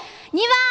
２番！